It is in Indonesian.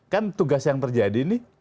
kan tugas yang terjadi ini